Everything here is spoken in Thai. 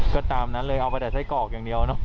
ก็ตามนั้นเลยเอาไปแต่ไส้กรอกอย่างเดียวเนอะ